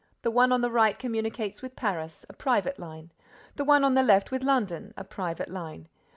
The one on the right communicates with Paris: a private line; the one on the left with London: a private line.